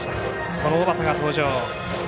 その小畠が登場。